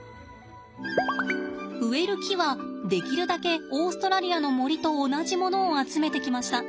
植える木はできるだけオーストラリアの森と同じものを集めてきました。